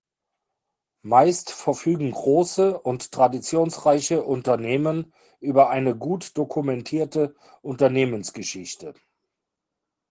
Meist verfügen große und traditionsreiche Unternehmen über eine gut dokumentierte Unternehmensgeschichte.